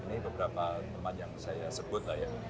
ini beberapa teman yang saya sebut lah ya